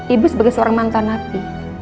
ibu sebagai seorang mantan api